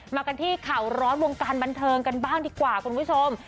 มากันที่ข่าวร้อนวงการบันเทิงกันบ้างดีกว่าคุณผู้ชม